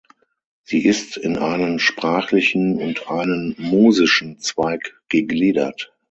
Sie ist in einen sprachlichen und einen musischen Zweig gegliedert.